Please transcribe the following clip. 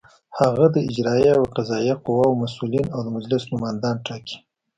هغه د اجرائیه او قضائیه قواوو مسؤلین او د مجلس نوماندان ټاکي.